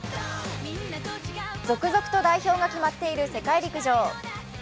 続々と代表が決まっている世界陸上。